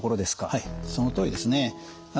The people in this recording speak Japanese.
はいそのとおりですね。